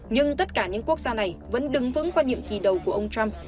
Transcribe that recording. nhưng tất cả những quốc gia này vẫn đứng vững qua nhiệm kỳ đầu của ông trump